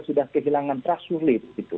sudah kehilangan prasulit